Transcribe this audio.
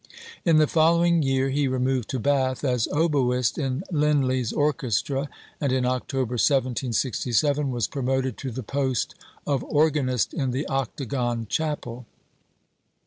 In the following year he removed to Bath as oboist in Linley's orchestra, and in October 1767 was promoted to the post of organist in the Octagon Chapel.